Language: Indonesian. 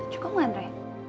cukup bukan andre